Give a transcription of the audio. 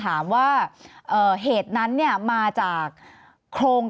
สวัสดีครับทุกคน